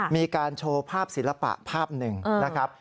มีการโชว์ภาพศิลปะภาพหนึ่งนะครับ